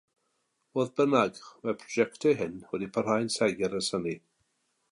Fodd bynnag, mae'r prosiectau hyn wedi parhau'n segur ers hynny.